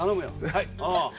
はい。